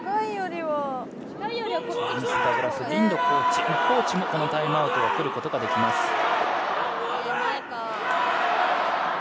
コーチもタイムアウトは来ることができます。